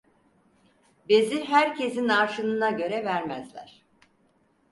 Bezi herkesin arşınına göre vermezler.